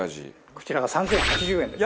こちらが３０８０円です。